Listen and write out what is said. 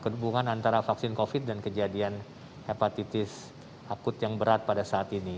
hubungan antara vaksin covid dan kejadian hepatitis akut yang berat pada saat ini